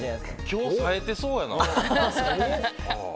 今日、冴えてそうやな。